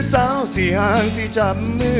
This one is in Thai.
ใส่ว่าสิ่งมีแค่